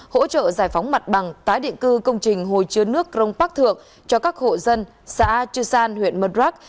hỗ trợ giải phóng mặt bằng tái định cư công trình hồi chứa nước rông bác thượng cho các hộ dân xã chứ san huyện murdrock